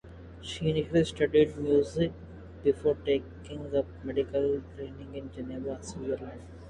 She initially studied music before taking up medical training in Geneva, Switzerland.